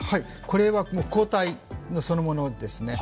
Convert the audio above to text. これは抗体そのものですね。